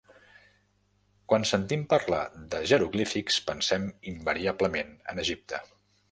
Quan sentim parlar de jeroglífics pensem invariablement en Egipte.